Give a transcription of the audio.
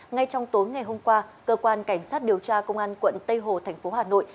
ngay trong tối ngày hôm qua cơ quan cảnh sát điều tra công an quận tây hồ thành phố hà nội